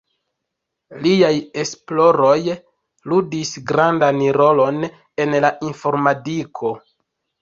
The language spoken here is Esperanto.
Liaj esploroj ludis grandan rolon en la informadiko.